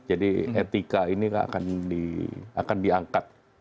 jadi etika ini akan diangkat